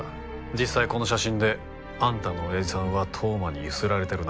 実際この写真であんたの親父さんは当麻にゆすられてるな？